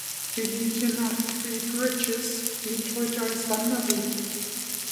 Die Linie nach Three Bridges dient heute als Wanderweg.